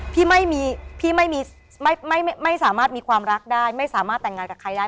พี่ไม่มีพี่ไม่สามารถมีความรักได้ไม่สามารถแต่งงานกับใครได้